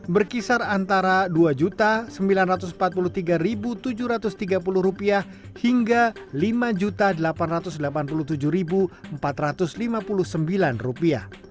berkisar antara rp dua sembilan ratus empat puluh tiga tujuh ratus tiga puluh hingga rp lima delapan ratus delapan puluh tujuh empat ratus lima puluh sembilan